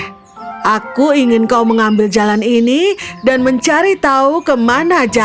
kamu ingin kau mencari jalan ini dan car santi butuh tahu ke mana jalannya